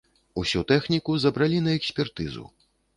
Усю тэхніку забралі на экспертызу.